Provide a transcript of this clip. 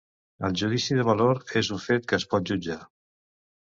El judici de valor és un fet que es pot jutjar.